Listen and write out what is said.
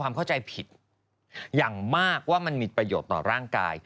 มัดดำสายเหลือง